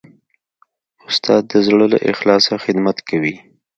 استاد د زړه له اخلاصه خدمت کوي.